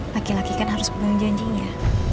laki laki kan harus penuh janjinya